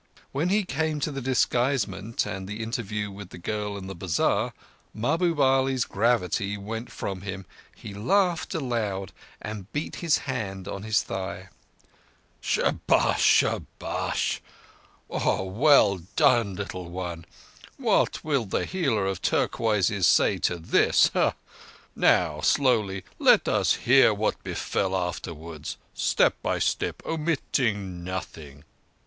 When he came to the disguisement and the interview with the girl in the bazar, Mahbub Ali's gravity went from him. He laughed aloud and beat his hand on his thigh. "Shabash! Shabash! Oh, well done, little one! What will the healer of turquoises say to this? Now, slowly, let us hear what befell afterwards—step by step, omitting nothing."